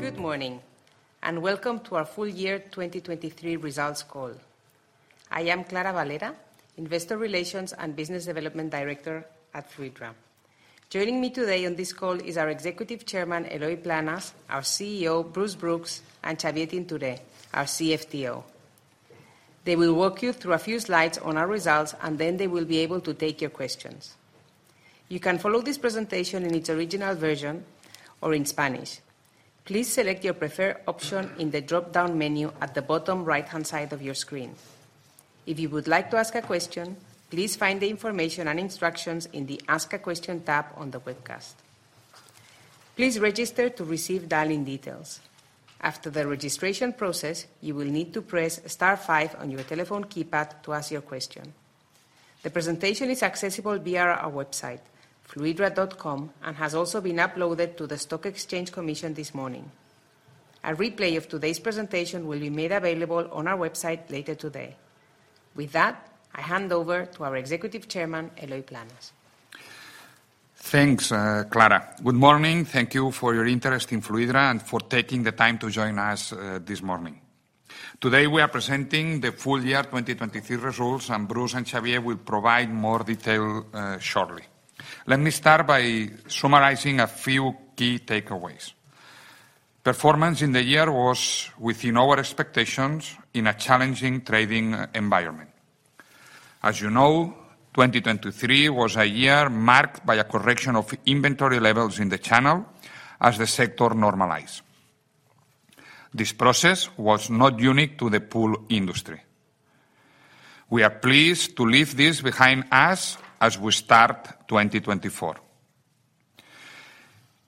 Good morning, and welcome to our full year 2023 results call. I am Clara Valera, Investor Relations and Business Development Director at Fluidra. Joining me today on this call is our Executive Chairman, Eloi Planes, our CEO, Bruce Brooks, and Xavier Tintoré, our CFTO. They will walk you through a few slides on our results, and then they will be able to take your questions. You can follow this presentation in its original version or in Spanish. Please select your preferred option in the drop-down menu at the bottom right-hand side of your screen. If you would like to ask a question, please find the information and instructions in the Ask a Question tab on the webcast. Please register to receive dial-in details. After the registration process, you will need to press star five on your telephone keypad to ask your question. The presentation is accessible via our website, fluidra.com, and has also been uploaded to the Stock Exchange Commission this morning. A replay of today's presentation will be made available on our website later today. With that, I hand over to our Executive Chairman, Eloi Planes. Thanks, Clara. Good morning. Thank you for your interest in Fluidra and for taking the time to join us this morning. Today, we are presenting the full year 2023 results, and Bruce and Xavier will provide more detail shortly. Let me start by summarizing a few key takeaways. Performance in the year was within our expectations in a challenging trading environment. As you know, 2023 was a year marked by a correction of inventory levels in the channel as the sector normalized. This process was not unique to the pool industry. We are pleased to leave this behind us as we start 2024.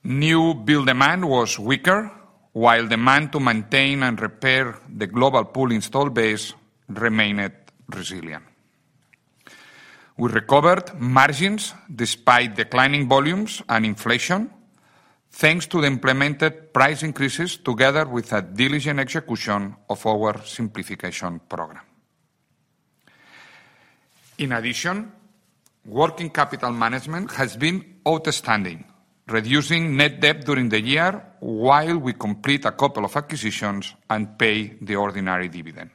New build demand was weaker, while demand to maintain and repair the global pool install base remained resilient. We recovered margins despite declining volumes and inflation, thanks to the implemented price increases, together with a diligent execution of our simplification program. In addition, working capital management has been outstanding, reducing net debt during the year while we complete a couple of acquisitions and pay the ordinary dividend.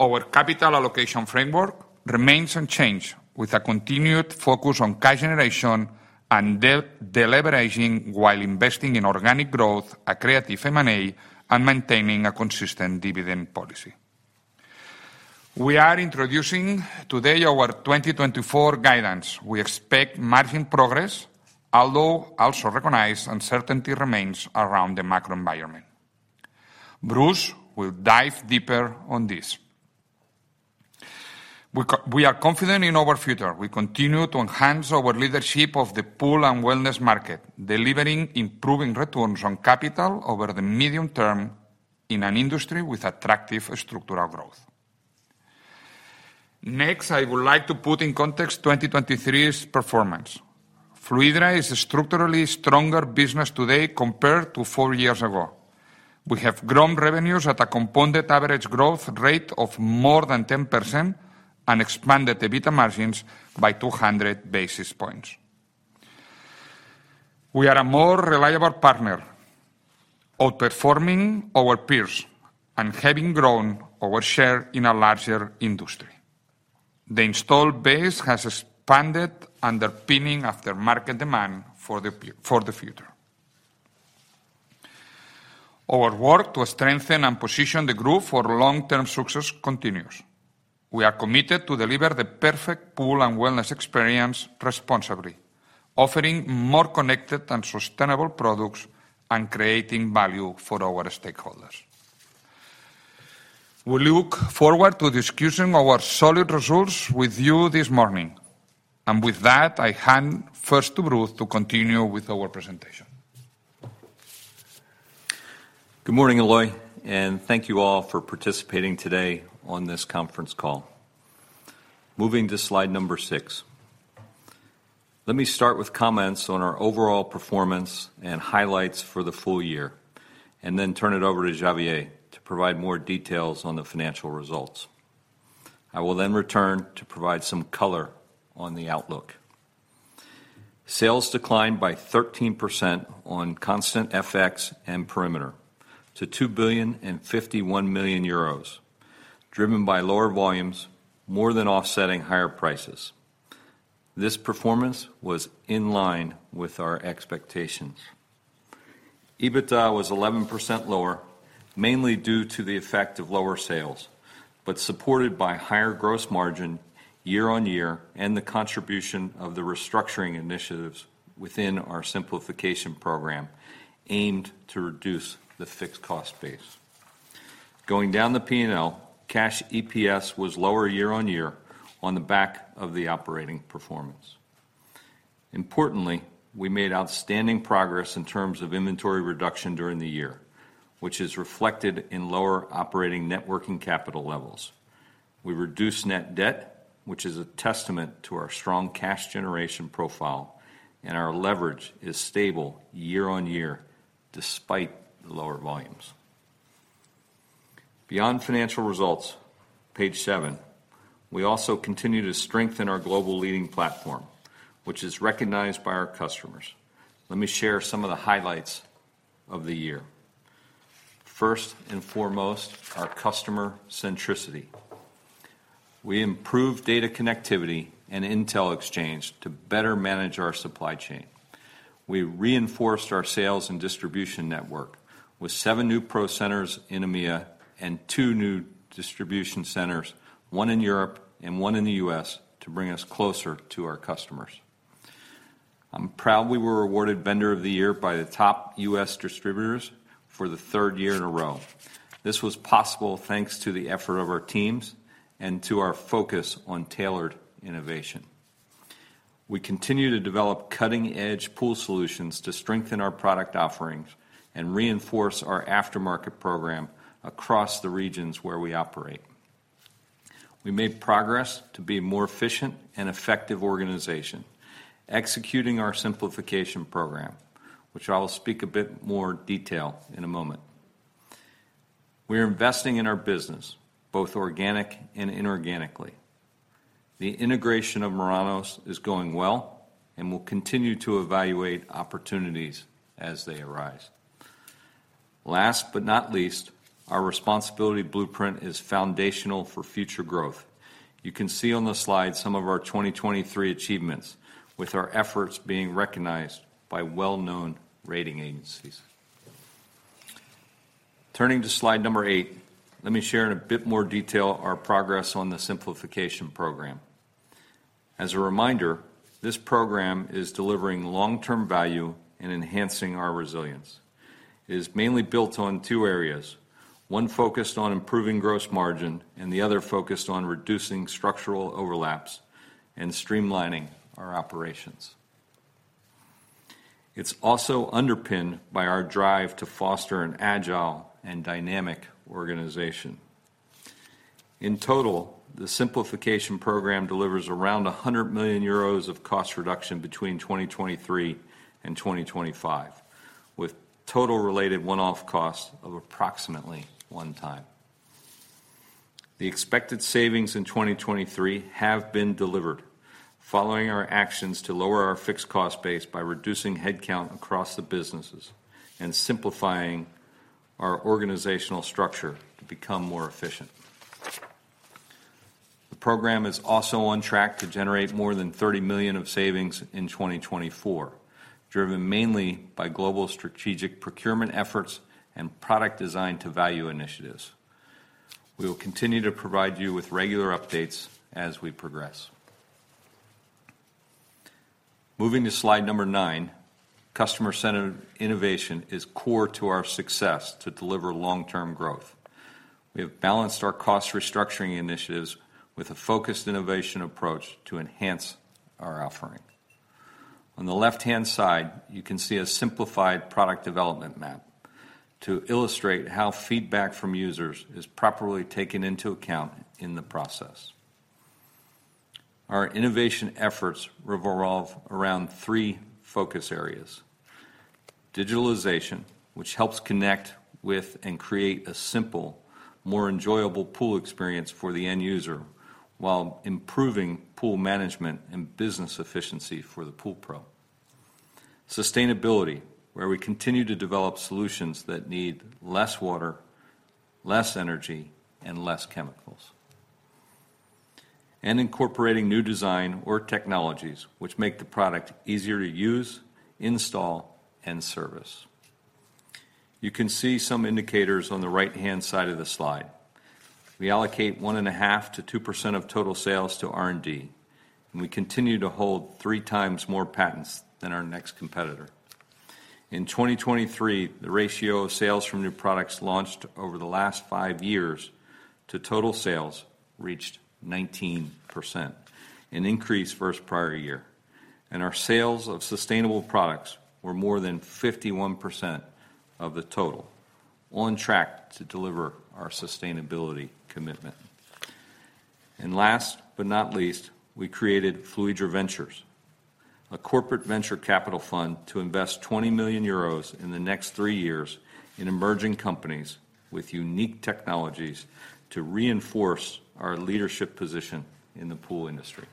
Our capital allocation framework remains unchanged, with a continued focus on cash generation and deleveraging while investing in organic growth, accretive M&A, and maintaining a consistent dividend policy. We are introducing today our 2024 guidance. We expect margin progress, although also recognize uncertainty remains around the macro environment. Bruce will dive deeper on this. We are confident in our future. We continue to enhance our leadership of the pool and wellness market, delivering improving returns on capital over the medium term in an industry with attractive structural growth. Next, I would like to put in context 2023's performance. Fluidra is a structurally stronger business today compared to four years ago. We have grown revenues at a compounded average growth rate of more than 10% and expanded the EBITDA margins by 200 basis points. We are a more reliable partner, outperforming our peers and having grown our share in a larger industry. The installed base has expanded, underpinning aftermarket demand for the future. Our work to strengthen and position the group for long-term success continues. We are committed to deliver the perfect pool and wellness experience responsibly, offering more connected and sustainable products, and creating value for our stakeholders. We look forward to discussing our solid results with you this morning. With that, I hand first to Bruce to continue with our presentation. Good morning, Eloi, and thank you all for participating today on this conference call. Moving to slide number six. Let me start with comments on our overall performance and highlights for the full year, and then turn it over to Xavier to provide more details on the financial results. I will then return to provide some color on the outlook. Sales declined by 13% on constant FX and perimeter to 2,051 million euros, driven by lower volumes, more than offsetting higher prices. This performance was in line with our expectations. EBITDA was 11% lower, mainly due to the effect of lower sales, but supported by higher gross margin year-on-year and the contribution of the restructuring initiatives within our simplification program, aimed to reduce the fixed cost base. Going down the P&L, cash EPS was lower year-on-year on the back of the operating performance. Importantly, we made outstanding progress in terms of inventory reduction during the year, which is reflected in lower operating net working capital levels. We reduced net debt, which is a testament to our strong cash generation profile, and our leverage is stable year-on-year, despite the lower volumes. Beyond financial results, page seven, we also continue to strengthen our global leading platform, which is recognized by our customers. Let me share some of the highlights of the year. First and foremost, our customer centricity. We improved data connectivity and intel exchange to better manage our supply chain. We reinforced our sales and distribution network with seven new PRO Centers in EMEA and two new distribution centers, one in Europe and one in the U.S., to bring us closer to our customers. I'm proud we were awarded Vendor of the Year by the top U.S. distributors for the third year in a row. This was possible thanks to the effort of our teams and to our focus on tailored innovation. We continue to develop cutting-edge pool solutions to strengthen our product offerings and reinforce our aftermarket program across the regions where we operate. We made progress to be a more efficient and effective organization, executing our Simplification Program, which I will speak a bit more detail in a moment. We are investing in our business, both organic and inorganically. The integration of Meranus is going well and we'll continue to evaluate opportunities as they arise. Last but not least, our Responsibility Blueprint is foundational for future growth. You can see on the slide some of our 2023 achievements, with our efforts being recognized by well-known rating agencies. Turning to slide number eight, let me share in a bit more detail our progress on the Simplification Program. As a reminder, this program is delivering long-term value and enhancing our resilience. It is mainly built on two areas, one focused on improving gross margin and the other focused on reducing structural overlaps and streamlining our operations. It's also underpinned by our drive to foster an agile and dynamic organization. In total, the Simplification Program delivers around 100 million euros of cost reduction between 2023 and 2025, with total related one-off costs of approximately 10 million. The expected savings in 2023 have been delivered, following our actions to lower our fixed cost base by reducing headcount across the businesses and simplifying our organizational structure to become more efficient. The program is also on track to generate more than 30 million of savings in 2024, driven mainly by global strategic procurement efforts and product Design-to-Value initiatives. We will continue to provide you with regular updates as we progress. Moving to slide number nine, customer-centered innovation is core to our success to deliver long-term growth. We have balanced our cost restructuring initiatives with a focused innovation approach to enhance our offering. On the left-hand side, you can see a simplified product development map to illustrate how feedback from users is properly taken into account in the process. Our innovation efforts revolve around three focus areas: digitalization, which helps connect with and create a simple, more enjoyable pool experience for the end user, while improving pool management and business efficiency for the pool pro. Sustainability, where we continue to develop solutions that need less water, less energy, and less chemicals. And incorporating new design or technologies which make the product easier to use, install, and service. You can see some indicators on the right-hand side of the slide. We allocate 1.5%-2% of total sales to R&D, and we continue to hold three times more patents than our next competitor. In 2023, the ratio of sales from new products launched over the last 5 years to total sales reached 19%, an increase versus prior year, and our sales of sustainable products were more than 51% of the total, on track to deliver our sustainability commitment. And last but not least, we created Fluidra Ventures, a corporate venture capital fund to invest 20 million euros in the next three years in emerging companies with unique technologies to reinforce our leadership position in the pool industry.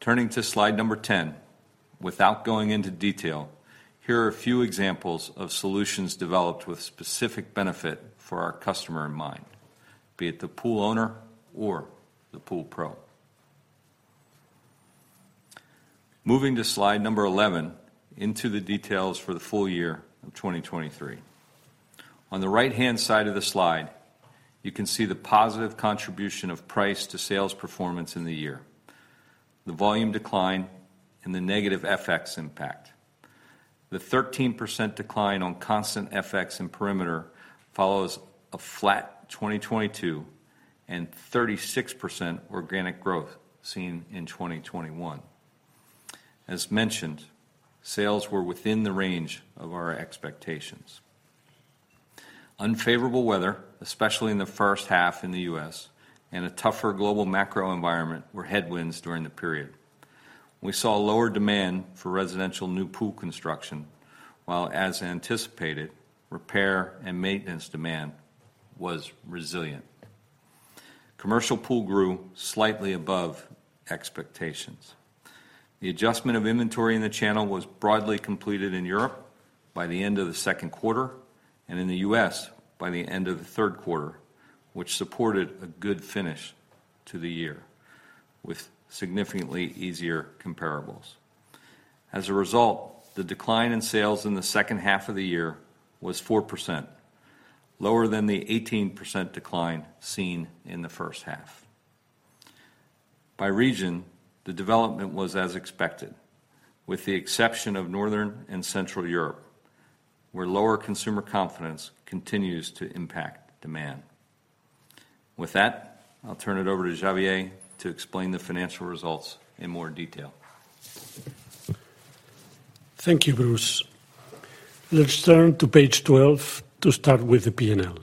Turning to slide number 10, without going into detail, here are a few examples of solutions developed with specific benefit for our customer in mind, be it the pool owner or the pool pro. Moving to slide number 11, into the details for the full year of 2023. On the right-hand side of the slide, you can see the positive contribution of price to sales performance in the year, the volume decline, and the negative FX impact. The 13% decline on constant FX and perimeter follows a flat 2022 and 36% organic growth seen in 2021. As mentioned, sales were within the range of our expectations. Unfavorable weather, especially in the first half in the U.S., and a tougher global macro environment were headwinds during the period. We saw lower demand for residential new pool construction, while, as anticipated, repair and maintenance demand was resilient. Commercial pool grew slightly above expectations. The adjustment of inventory in the channel was broadly completed in Europe by the end of the second quarter, and in the U.S. by the end of the third quarter, which supported a good finish to the year with significantly easier comparables. As a result, the decline in sales in the second half of the year was 4%, lower than the 18% decline seen in the first half. By region, the development was as expected, with the exception of Northern and Central Europe, where lower consumer confidence continues to impact demand. With that, I'll turn it over to Xavier to explain the financial results in more detail. Thank you, Bruce. Let's turn to page 12 to start with the P&L.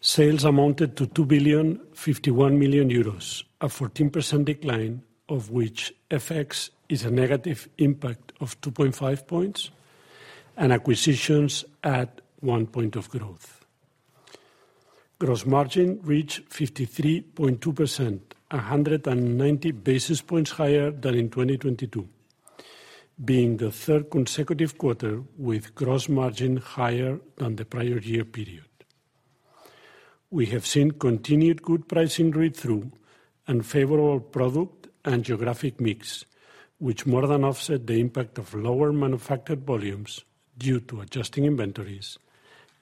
Sales amounted to 2,051 million euros, a 14% decline, of which FX is a negative impact of 2.5 points and acquisitions add 1 point of growth. Gross margin reached 53.2%, 190 basis points higher than in 2022, being the third consecutive quarter with gross margin higher than the prior year period. We have seen continued good pricing read-through and favorable product and geographic mix, which more than offset the impact of lower manufactured volumes due to adjusting inventories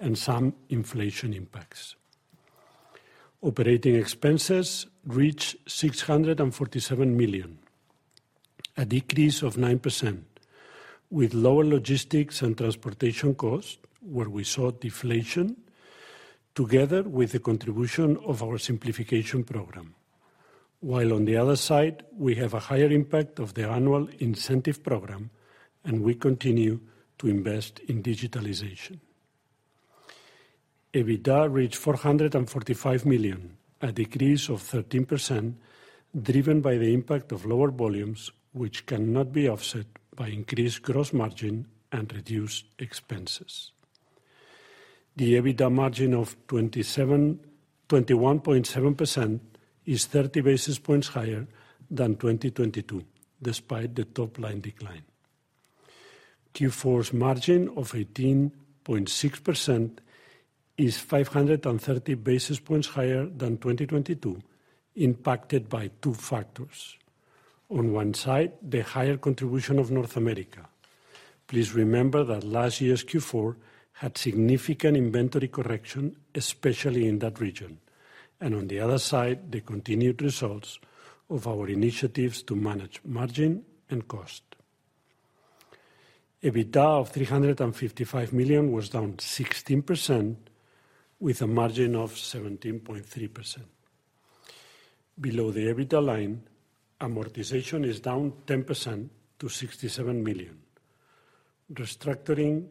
and some inflation impacts. Operating expenses reached 647 million, a decrease of 9%, with lower logistics and transportation costs, where we saw deflation together with the contribution of our Simplification Program. While on the other side, we have a higher impact of the annual incentive program, and we continue to invest in digitalization. EBITDA reached 445 million, a decrease of 13%, driven by the impact of lower volumes, which cannot be offset by increased gross margin and reduced expenses. The EBITDA margin of 27%, 21.7% is 30 basis points higher than 2022, despite the top-line decline. Q4's margin of 18.6% is 530 basis points higher than 2022, impacted by two factors. On one side, the higher contribution of North America. Please remember that last year's Q4 had significant inventory correction, especially in that region, and on the other side, the continued results of our initiatives to manage margin and cost. EBITDA of 355 million was down 16%, with a margin of 17.3%. Below the EBITDA line, amortization is down 10% to 67 million. Restructuring,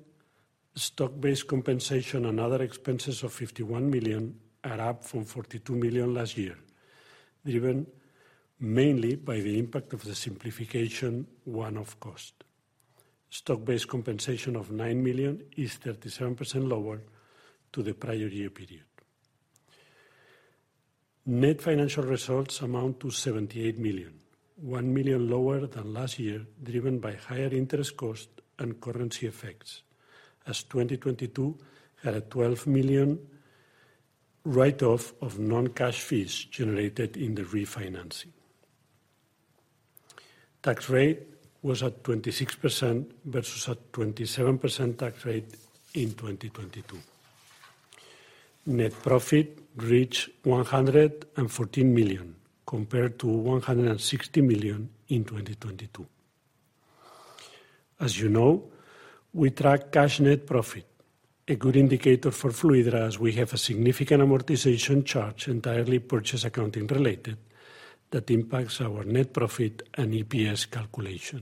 stock-based compensation, and other expenses of 51 million are up from 42 million last year, driven mainly by the impact of the Simplification one-off cost. Stock-based compensation of 9 million is 37% lower to the prior year period. Net financial results amount to 78 million, 1 million lower than last year, driven by higher interest costs and currency effects, as 2022 had a 12 million write-off of non-cash fees generated in the refinancing. Tax rate was at 26% versus a 27% tax rate in 2022. Net profit reached 114 million, compared to 160 million in 2022. As you know, we track cash net profit, a good indicator for Fluidra, as we have a significant amortization charge, entirely purchase accounting related, that impacts our net profit and EPS calculation.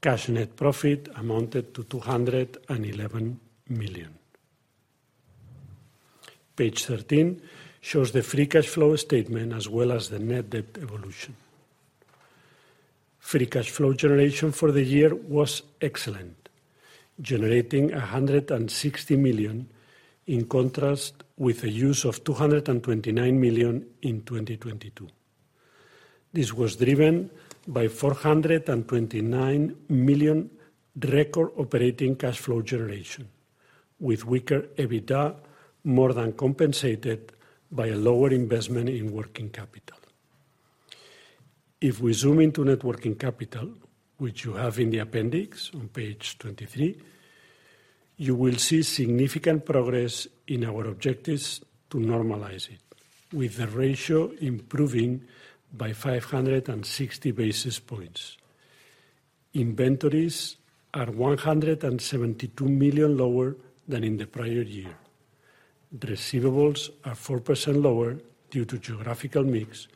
Cash net profit amounted to 211 million. Page 13 shows the free cash flow statement as well as the net debt evolution. Free cash flow generation for the year was excellent, generating 160 million, in contrast with the use of 229 million in 2022. This was driven by 429 million record operating cash flow generation, with weaker EBITDA more than compensated by a lower investment in working capital. If we zoom into net working capital, which you have in the appendix on page 23, you will see significant progress in our objectives to normalize it, with the ratio improving by 560 basis points. Inventories are 172 million lower than in the prior year. Receivables are 4% lower due to geographical mix,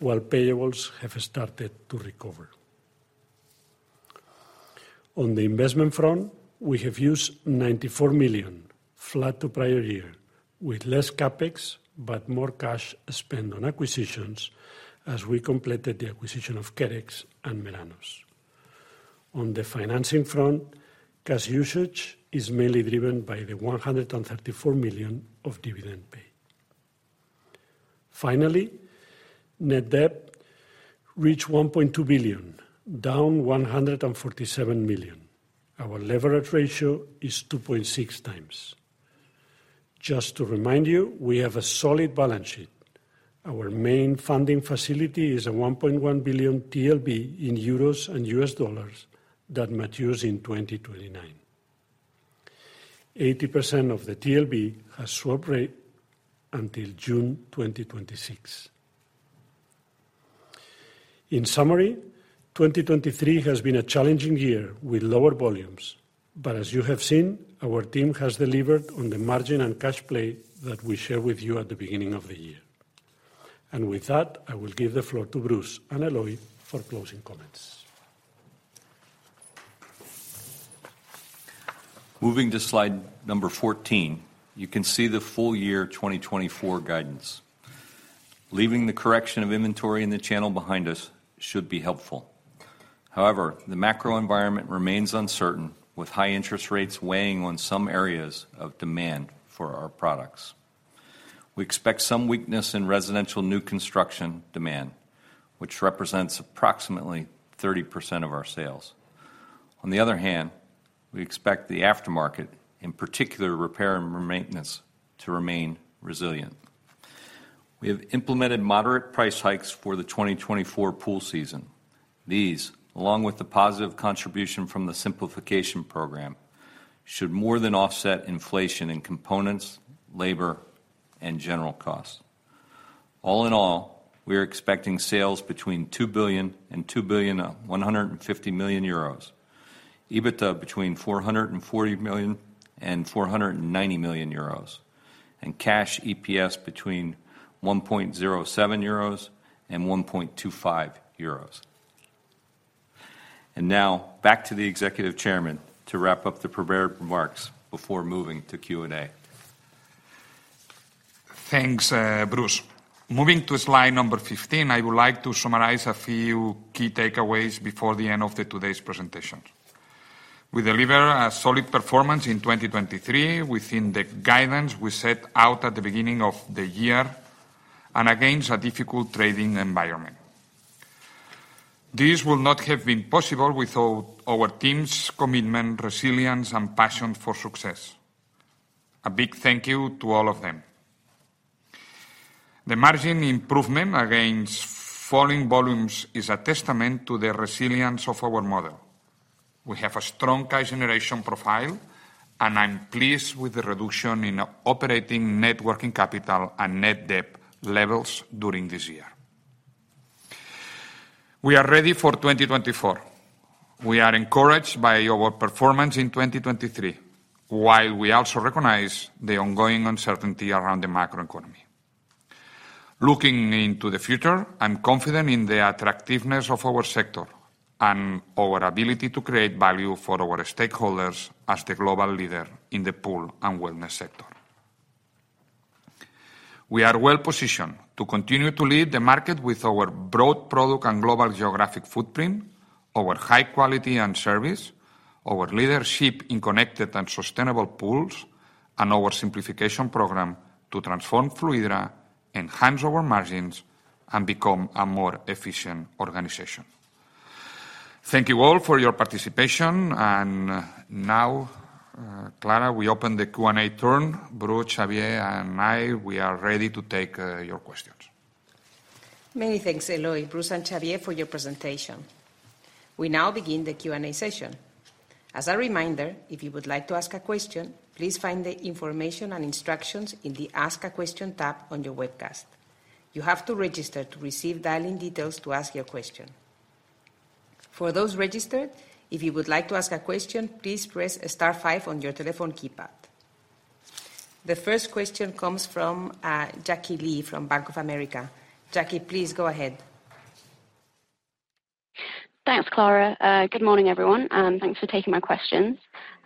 while payables have started to recover. On the investment front, we have used 94 million, flat to prior year, with less CapEx, but more cash spent on acquisitions as we completed the acquisition of Kerex and Meranus. On the financing front, cash usage is mainly driven by the 134 million of dividend pay. Finally, net debt reached 1.2 billion, down 147 million. Our leverage ratio is 2.6x. Just to remind you, we have a solid balance sheet. Our main funding facility is a 1.1 billion TLB in euros and US dollars that matures in 2029. 80% of the TLB has swap rate until June 2026. In summary, 2023 has been a challenging year with lower volumes, but as you have seen, our team has delivered on the margin and cash play that we shared with you at the beginning of the year. With that, I will give the floor to Bruce and Eloi for closing comments. Moving to slide number 14, you can see the full year 2024 guidance. Leaving the correction of inventory in the channel behind us should be helpful. However, the macro environment remains uncertain, with high interest rates weighing on some areas of demand for our products. We expect some weakness in residential new construction demand, which represents approximately 30% of our sales. On the other hand, we expect the aftermarket, in particular, repair and maintenance, to remain resilient. We have implemented moderate price hikes for the 2024 pool season. These, along with the positive contribution from the simplification program, should more than offset inflation in components, labor, and general costs. All in all, we are expecting sales between 2 billion and 2.15 billion, EBITDA between 440 million and 490 million euros, and cash EPS between 1.07 euros and 1.25 euros. Now back to the Executive Chairman to wrap up the prepared remarks before moving to Q&A. Thanks, Bruce. Moving to slide number 15, I would like to summarize a few key takeaways before the end of today's presentation. We deliver a solid performance in 2023 within the guidance we set out at the beginning of the year and against a difficult trading environment. This would not have been possible without our team's commitment, resilience, and passion for success. A big thank you to all of them. The margin improvement against falling volumes is a testament to the resilience of our model. We have a strong cash generation profile, and I'm pleased with the reduction in operating net working capital and net debt levels during this year. We are ready for 2024. We are encouraged by our performance in 2023, while we also recognize the ongoing uncertainty around the macroeconomy. Looking into the future, I'm confident in the attractiveness of our sector and our ability to create value for our stakeholders as the global leader in the pool and wellness sector. We are well positioned to continue to lead the market with our broad product and global geographic footprint, our high quality and service, our leadership in connected and sustainable pools, and our Simplification Program to transform Fluidra, enhance our margins, and become a more efficient organization. Thank you all for your participation. And now, Clara, we open the Q&A turn. Bruce, Xavier, and I, we are ready to take your questions. Many thanks, Eloi, Bruce, and Xavier, for your presentation. We now begin the Q&A session. As a reminder, if you would like to ask a question, please find the information and instructions in the Ask a Question tab on your webcast. You have to register to receive dialing details to ask your question. For those registered, if you would like to ask a question, please press star five on your telephone keypad. The first question comes from Jackie Lee from Bank of America. Jackie, please go ahead. Thanks, Clara. Good morning, everyone, and thanks for taking my questions.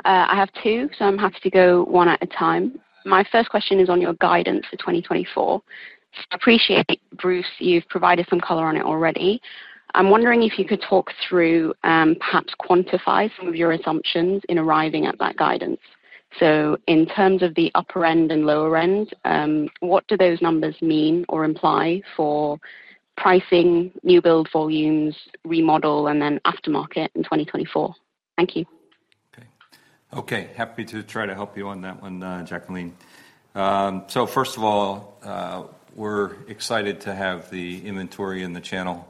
I have two, so I'm happy to go one at a time. My first question is on your guidance for 2024. Appreciate, Bruce, you've provided some color on it already. I'm wondering if you could talk through, perhaps quantify some of your assumptions in arriving at that guidance. So in terms of the upper end and lower end, what do those numbers mean or imply for pricing, new build volumes, remodel, and then aftermarket in 2024? Thank you. Okay. Okay, happy to try to help you on that one, Jacqueline. So first of all, we're excited to have the inventory in the channel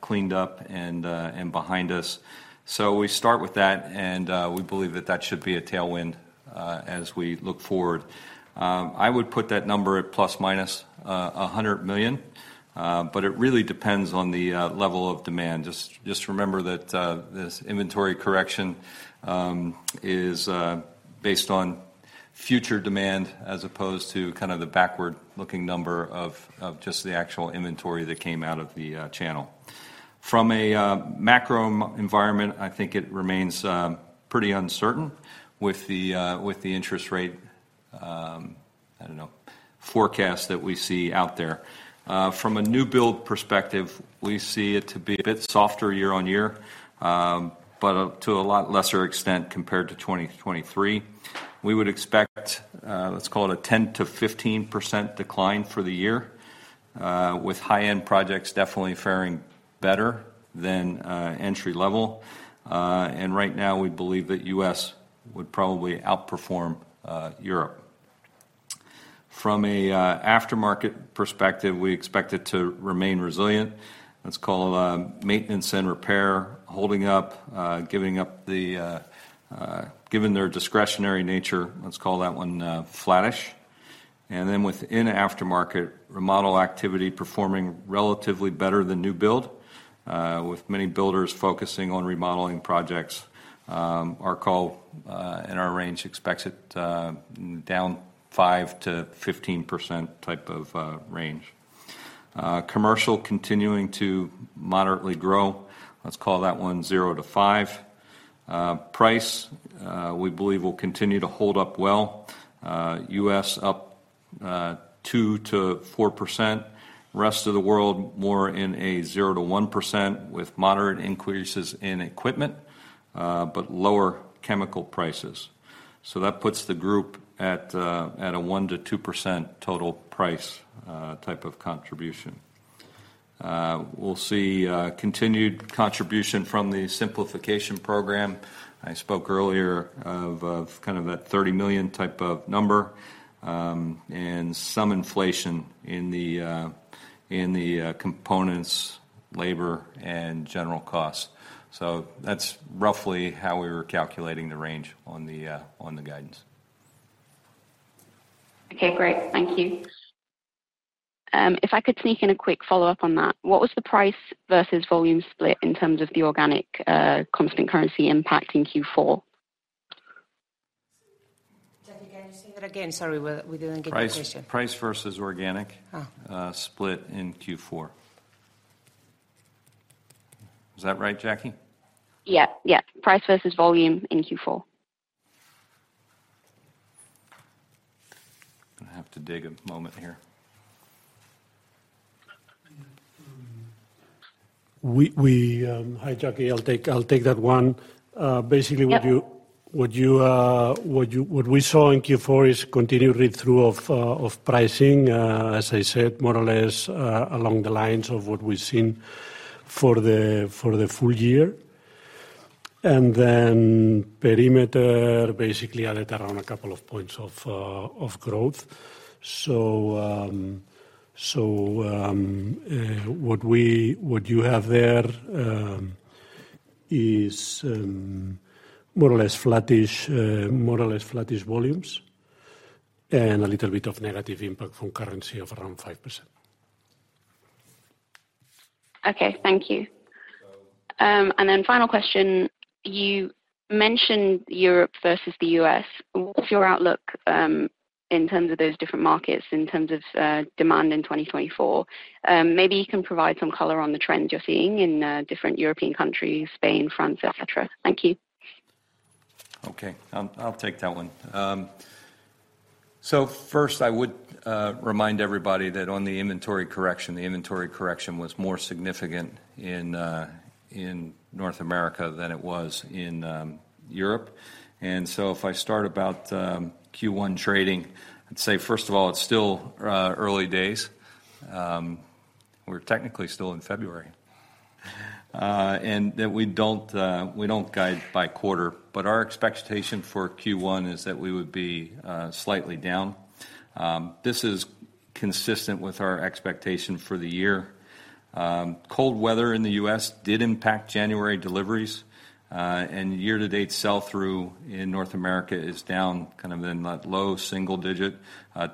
cleaned up and behind us. So we start with that, and we believe that that should be a tailwind as we look forward. I would put that number at ± 100 million, but it really depends on the level of demand. Just remember that this inventory correction is based on future demand, as opposed to kind of the backward-looking number of just the actual inventory that came out of the channel. From a macro environment, I think it remains pretty uncertain with the interest rate, I don't know, forecast that we see out there. From a new build perspective, we see it to be a bit softer year-over-year, but up to a lot lesser extent compared to 2023. We would expect, let's call it a 10%-15% decline for the year, with high-end projects definitely faring better than entry level. Right now, we believe that U.S. would probably outperform Europe. From a aftermarket perspective, we expect it to remain resilient. Let's call maintenance and repair holding up. Given their discretionary nature, let's call that one flattish. And then within aftermarket, remodel activity performing relatively better than new build, with many builders focusing on remodeling projects. Our call and our range expects it down 5%-15% type of range. Commercial continuing to moderately grow. Let's call that one 0%-5%. Price, we believe will continue to hold up well. U.S. up 2%-4%. Rest of the world, more in a 0%-1%, with moderate increases in equipment, but lower chemical prices. So that puts the group at a 1%-2% total price type of contribution. We'll see continued contribution from the Simplification Program. I spoke earlier of kind of that 30 million type of number, and some inflation in the components, labor, and general costs. So that's roughly how we were calculating the range on the guidance. Okay, great. Thank you. If I could sneak in a quick follow-up on that, what was the price versus volume split in terms of the organic, constant currency impact in Q4? Jackie, can you say that again? Sorry, we didn't get the question. Price, price versus organic- Ah. split in Q4. Is that right, Jackie? Yeah, yeah. Price versus volume in Q4. I'm gonna have to dig a moment here. Hi, Jackie. I'll take that one. Yep. Basically, what we saw in Q4 is continued read-through of pricing, as I said, more or less, along the lines of what we've seen for the full year. And then perimeter basically added around a couple of points of growth. So, what you have there is more or less flattish volumes, and a little bit of negative impact from currency of around 5%. Okay, thank you. So- And then final question: You mentioned Europe versus the U.S. What's your outlook, in terms of those different markets, in terms of, demand in 2024? Maybe you can provide some color on the trend you're seeing in, different European countries, Spain, France, et cetera. Thank you. Okay. I'll take that one. So first, I would remind everybody that on the inventory correction, the inventory correction was more significant in North America than it was in Europe. And so if I start about Q1 trading, I'd say, first of all, it's still early days. We're technically still in February. And that we don't, we don't guide by quarter, but our expectation for Q1 is that we would be slightly down. This is consistent with our expectation for the year. Cold weather in the U.S. did impact January deliveries, and year-to-date sell-through in North America is down, kind of in that low single digit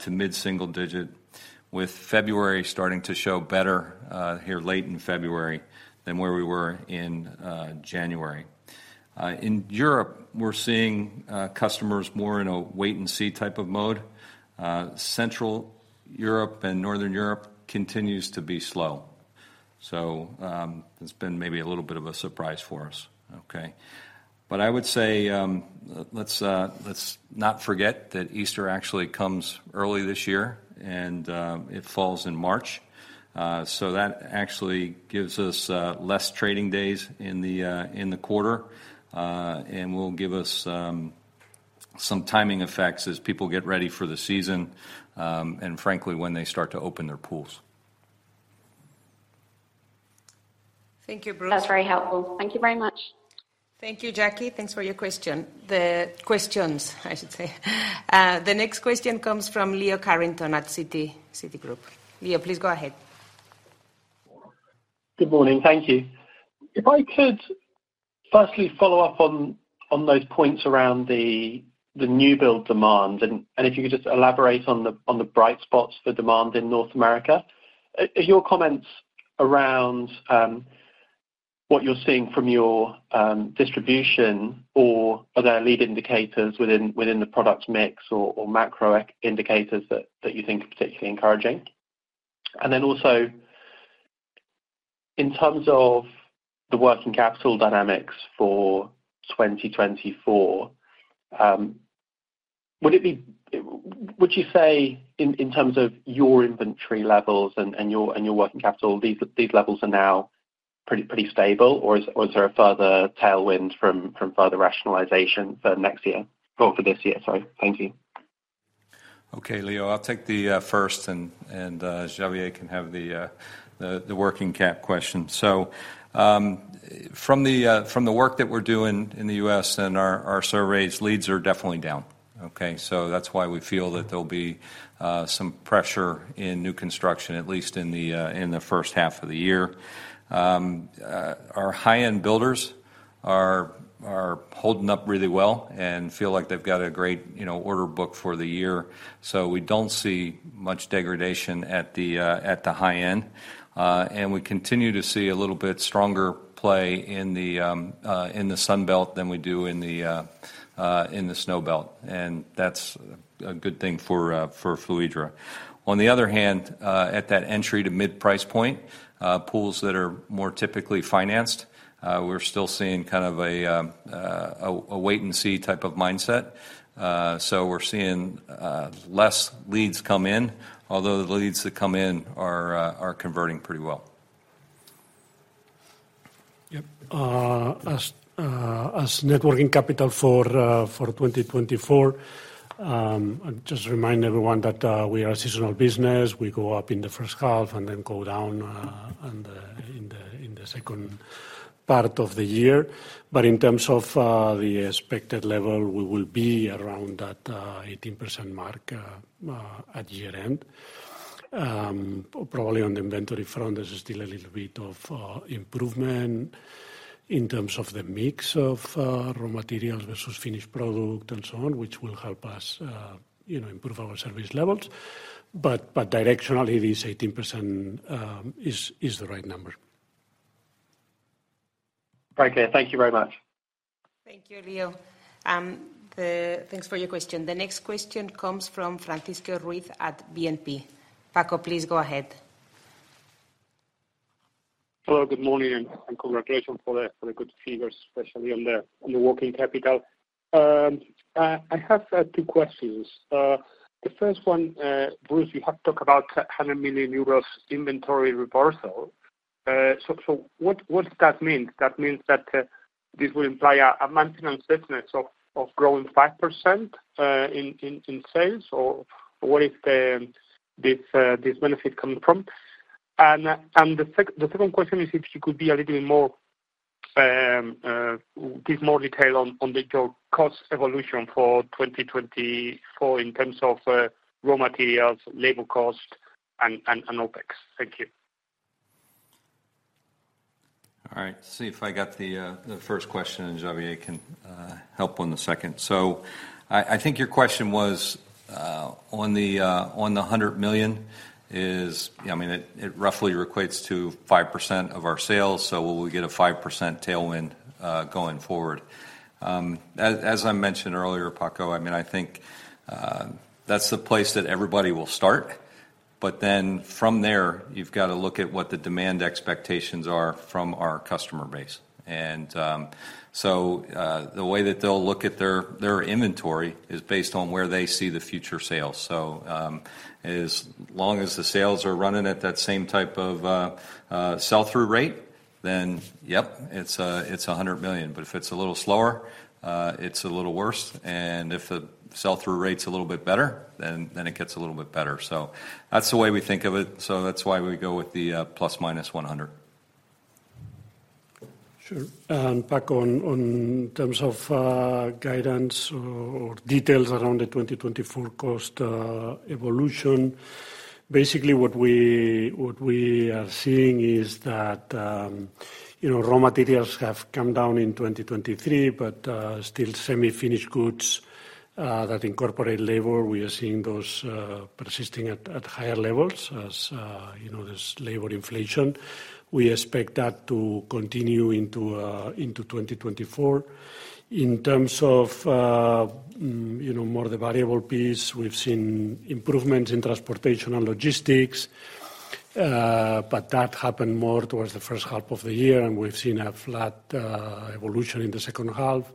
to mid single digit, with February starting to show better here late in February than where we were in January. In Europe, we're seeing customers more in a wait-and-see type of mode. Central Europe and Northern Europe continues to be slow. So, it's been maybe a little bit of a surprise for us. Okay? But I would say, let's, let's not forget that Easter actually comes early this year, and it falls in March. So that actually gives us less trading days in the, in the quarter, and will give us some timing effects as people get ready for the season, and frankly, when they start to open their pools. Thank you, Bruce. That's very helpful. Thank you very much. Thank you, Jackie. Thanks for your question. The questions, I should say. The next question comes from Leo Carrington at Citi, Citigroup. Leo, please go ahead. Good morning. Thank you. If I could firstly follow up on those points around the new build demand, and if you could just elaborate on the bright spots for demand in North America. Your comments around what you're seeing from your distribution, or are there lead indicators within the product mix or macro economic indicators that you think are particularly encouraging? And then also, in terms of the working capital dynamics for 2024, would you say in terms of your inventory levels and your working capital, these levels are now pretty stable, or is there a further tailwind from further rationalization for next year? Or for this year, sorry. Thank you. Okay, Leo, I'll take the first, and Xavier can have the working cap question. So, from the work that we're doing in the U.S. and our surveys, leads are definitely down, okay? So that's why we feel that there'll be some pressure in new construction, at least in the first half of the year. Our high-end builders are holding up really well and feel like they've got a great, you know, order book for the year, so we don't see much degradation at the high end. And we continue to see a little bit stronger play in the Sun Belt than we do in the Snow Belt, and that's a good thing for Fluidra. On the other hand, at that entry to mid-price point, pools that are more typically financed, we're still seeing kind of a wait-and-see type of mindset. So we're seeing less leads come in, although the leads that come in are converting pretty well. Yep. As net working capital for 2024, just remind everyone that we are a seasonal business. We go up in the first half and then go down in the second part of the year. But in terms of the expected level, we will be around that 18% mark at year-end. Probably on the inventory front, there's still a little bit of improvement in terms of the mix of raw materials versus finished product and so on, which will help us, you know, improve our service levels. But directionally, this 18% is the right number. Okay. Thank you very much. Thank you, Leo. Thanks for your question. The next question comes from Francisco Ruiz at BNP. Paco, please go ahead. Hello, good morning, and congratulations for the good figures, especially on the working capital. I have two questions. The first one, Bruce, you have talked about 100 million euros inventory reversal. So, what does that mean? That means that this will imply a maintenance business of growing 5% in sales? Or where is this benefit coming from? And the second question is if you could be a little bit more, give more detail on your cost evolution for 2024 in terms of raw materials, labor cost, and OpEx. Thank you. All right. Let's see if I got the first question, and Xavier can help on the second. So I think your question was on the 100 million is. I mean, it roughly equates to 5% of our sales, so will we get a 5% tailwind going forward? As I mentioned earlier, Paco, I mean, I think that's the place that everybody will start, but then from there, you've got to look at what the demand expectations are from our customer base. So the way that they'll look at their inventory is based on where they see the future sales. So as long as the sales are running at that same type of sell-through rate, then, yep, it's 100 million. But if it's a little slower, it's a little worse, and if the sell-through rate's a little bit better, then it gets a little bit better. So that's the way we think of it, so that's why we go with the ±100. Sure. And Paco, on terms of guidance or details around the 2024 cost evolution, basically what we are seeing is that, you know, raw materials have come down in 2023, but still semi-finished goods that incorporate labor, we are seeing those persisting at higher levels as, you know, there's labor inflation. We expect that to continue into 2024. In terms of you know, more the variable piece, we've seen improvements in transportation and logistics, but that happened more towards the first half of the year, and we've seen a flat evolution in the second half.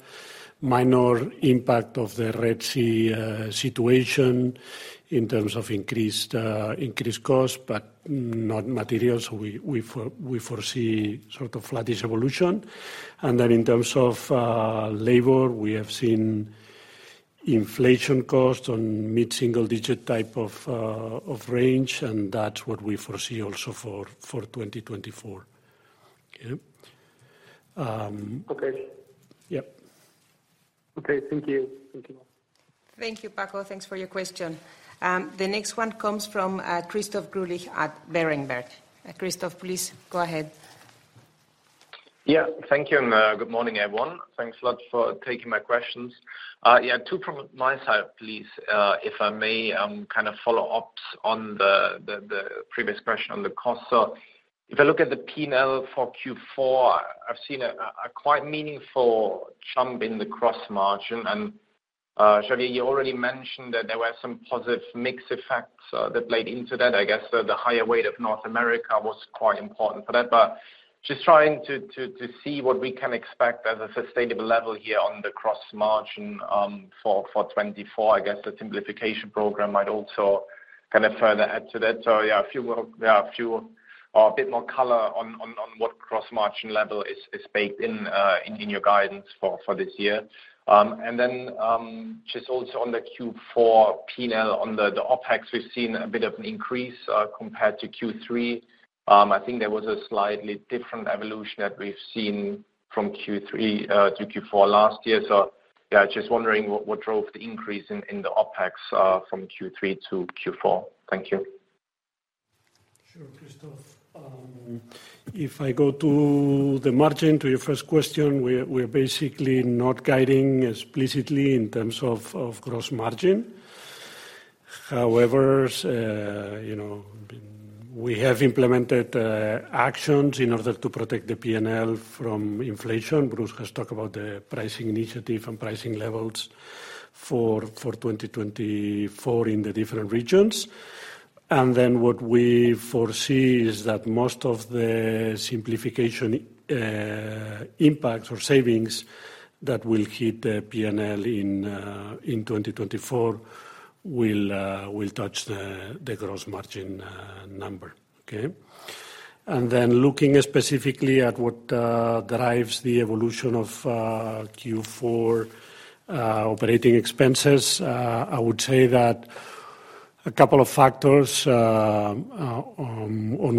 Minor impact of the Red Sea situation in terms of increased costs, but not materials. So we foresee sort of flattish evolution. And then in terms of labor, we have seen inflation costs on mid-single-digit type of range, and that's what we foresee also for 2024. Okay? Okay. Yep. Okay, thank you. Thank you. Thank you, Paco. Thanks for your question. The next one comes from Christoph Greulich at Berenberg. Christoph, please go ahead. Yeah. Thank you, and good morning, everyone. Thanks a lot for taking my questions. Yeah, two from my side, please, if I may, kind of follow ups on the previous question on the cost. So if I look at the P&L for Q4, I've seen a quite meaningful jump in the gross margin, and Xavier, you already mentioned that there were some positive mix effects that played into that. I guess the higher weight of North America was quite important for that. But just trying to see what we can expect as a sustainable level here on the gross margin for 2024. I guess the Simplification Program might also kind of further add to that. So yeah, a few more—yeah, a few, a bit more color on what gross margin level is baked in your guidance for this year. And then, just also on the Q4 P&L, on the OpEx, we've seen a bit of an increase compared to Q3. I think there was a slightly different evolution that we've seen from Q3 to Q4 last year. So yeah, just wondering what drove the increase in the OpEx from Q3 to Q4? Thank you. Sure, Christoph. If I go to the margin, to your first question, we're basically not guiding explicitly in terms of gross margin. However, you know, we have implemented actions in order to protect the P&L from inflation. Bruce has talked about the pricing initiative and pricing levels for 2024 in the different regions. And then what we foresee is that most of the simplification impact or savings that will hit the P&L in 2024 will touch the gross margin number. Okay? And then looking specifically at what drives the evolution of Q4 operating expenses, I would say that a couple of factors. On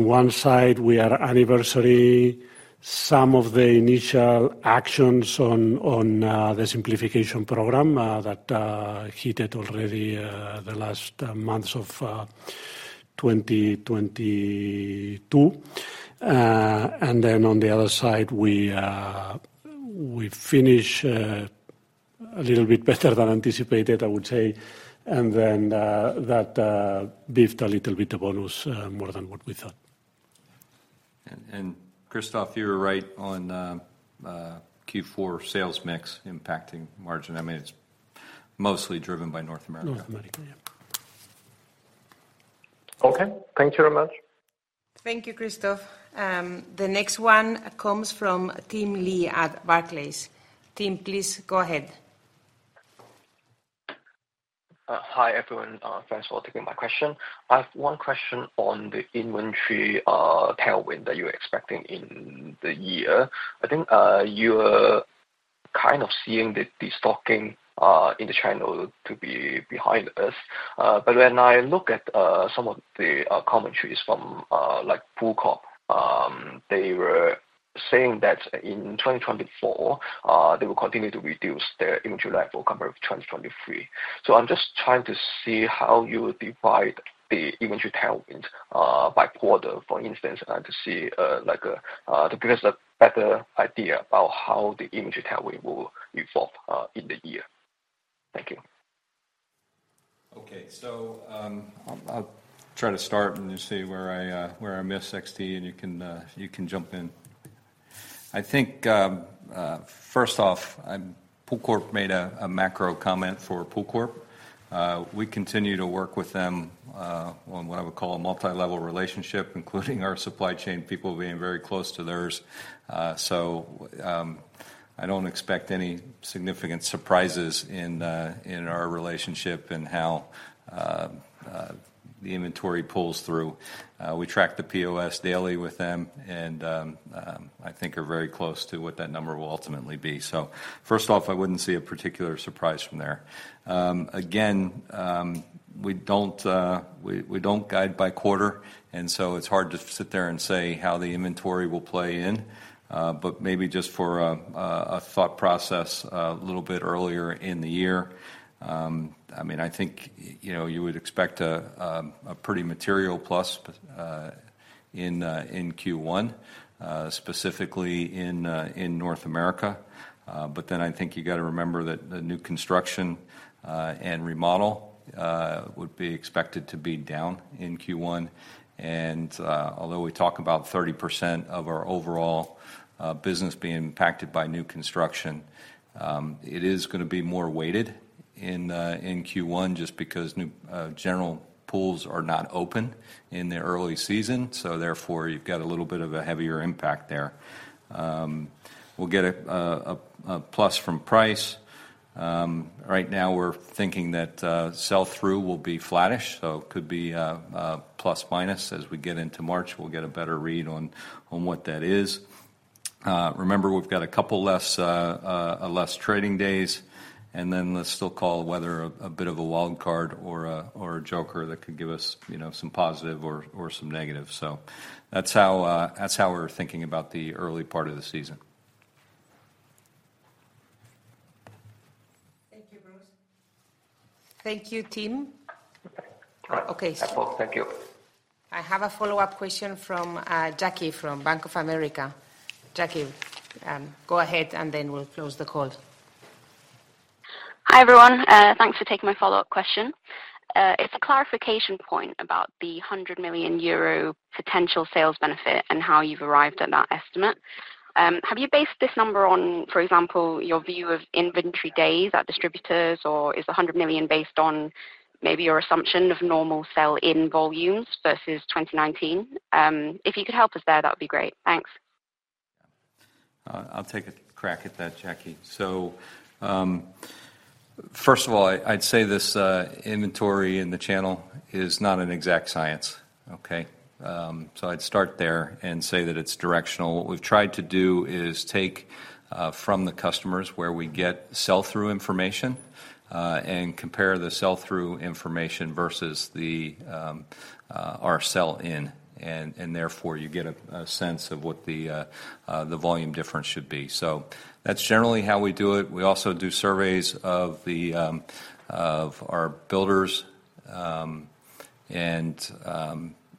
one side, we are advancing some of the initial actions on the Simplification Program that hit it already the last months of 2022. On the other side, we finish a little bit better than anticipated, I would say. That beefed a little bit the bonus more than what we thought. Christoph, you were right on Q4 sales mix impacting margin. I mean, it's mostly driven by North America. North America, yeah. Okay, thank you very much. Thank you, Christoph. The next one comes from Tim Lee at Barclays. Tim, please go ahead. Hi, everyone. Thanks for taking my question. I have one question on the inventory tailwind that you're expecting in the year. I think you're kind of seeing the stocking in the channel to be behind us. But when I look at some of the commentaries from like Pool Corp, they were saying that in 2024 they will continue to reduce their inventory level compared to 2023. So I'm just trying to see how you would divide the inventory tailwind by quarter, for instance, and to see like a... To give us a better idea about how the inventory tailwind will evolve in the year. Thank you. Okay. So, I'll try to start and just see where I miss, XT, and you can jump in. I think, first off, Pool Corp made a macro comment for Pool Corp. We continue to work with them on what I would call a multi-level relationship, including our supply chain people being very close to theirs. So, I don't expect any significant surprises in our relationship and how the inventory pulls through. We track the POS daily with them and I think are very close to what that number will ultimately be. So first off, I wouldn't see a particular surprise from there. Again, we don't guide by quarter, and so it's hard to sit there and say how the inventory will play in. But maybe just for a thought process, a little bit earlier in the year, I mean, I think, you know, you would expect a pretty material plus in Q1, specifically in North America. But then I think you got to remember that the new construction and remodel would be expected to be down in Q1.. Although we talk about 30% of our overall business being impacted by new construction, it is gonna be more weighted in Q1 just because new general pools are not open in the early season, so therefore, you've got a little bit of a heavier impact there. We'll get a plus from price. Right now we're thinking that sell-through will be flattish, so could be plus/minus. As we get into March, we'll get a better read on what that is. Remember, we've got a couple less trading days, and then let's still call weather a bit of a wild card or a joker that could give us, you know, some positive or some negative. That's how, that's how we're thinking about the early part of the season. Thank you, Bruce. Thank you, Tim. Okay. Okay. That's all. Thank you. I have a follow-up question from Jackie from Bank of America. Jackie, go ahead, and then we'll close the call. Hi, everyone, thanks for taking my follow-up question. It's a clarification point about the 100 million euro potential sales benefit and how you've arrived at that estimate. Have you based this number on, for example, your view of inventory days at distributors, or is the 100 million based on maybe your assumption of normal sell-in volumes versus 2019? If you could help us there, that would be great. Thanks. I'll take a crack at that, Jackie. So, first of all, I'd say this, inventory in the channel is not an exact science, okay? So I'd start there and say that it's directional. What we've tried to do is take from the customers where we get sell-through information and compare the sell-through information versus our sell-in, and therefore, you get a sense of what the volume difference should be. So that's generally how we do it. We also do surveys of our builders.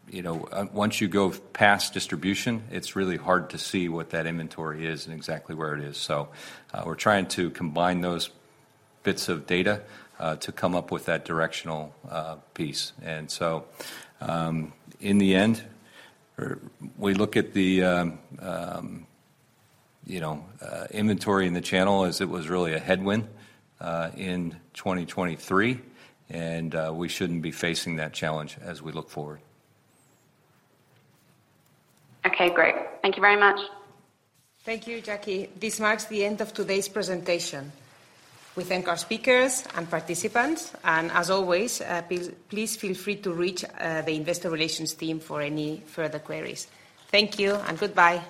You know, once you go past distribution, it's really hard to see what that inventory is and exactly where it is. So, we're trying to combine those bits of data to come up with that directional piece. In the end, we look at the, you know, inventory in the channel as it was really a headwind in 2023, and we shouldn't be facing that challenge as we look forward. Okay, great. Thank you very much. Thank you, Jackie. This marks the end of today's presentation. We thank our speakers and participants, and as always, please feel free to reach the investor relations team for any further queries. Thank you and goodbye!